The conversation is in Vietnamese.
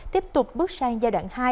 tiếp tục bước sang giai đoạn hai